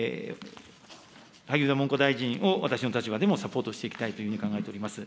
萩生田文部科学大臣を私の立場でもサポートしていきたいというふうに考えております。